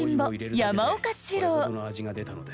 山岡士郎。